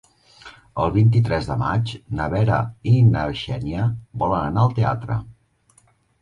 El vint-i-tres de maig na Vera i na Xènia volen anar al teatre.